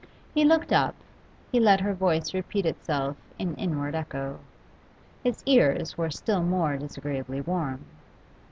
He looked up, he let her voice repeat itself in inward echo. His ears were still more disagreeably warm.